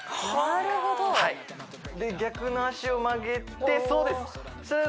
なるほどはいで逆の脚を曲げてそうです